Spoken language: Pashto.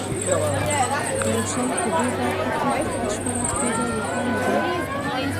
یو شی په دې برخه کې په بشپړه توګه روښانه دی